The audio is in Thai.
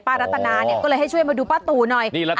ป้ารัตนาก็เลยให้ช่วยมาดูป้าตูน้อย